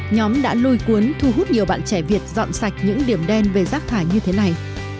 nhóm đã lôi cuốn thu hút nhiều bạn trẻ việt dọn sạch những điểm đen về rác thải như thế này